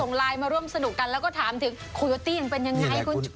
ไลน์มาร่วมสนุกกันแล้วก็ถามถึงโคโยตี้ยังเป็นยังไงคุณ